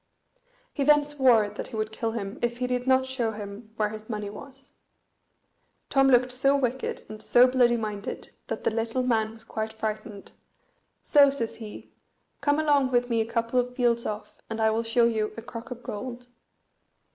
He then swore that he would kill him if he did not show him where his money was. Tom looked so wicked and so bloody minded that the little man was quite frightened; so says he, "Come along with me a couple of fields off, and I will show you a crock of gold."